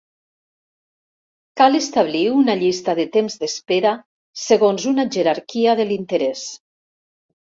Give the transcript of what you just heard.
Cal establir una llista de temps d'espera segons una jerarquia de l'interès.